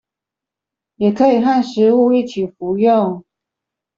也可以和食物一起服用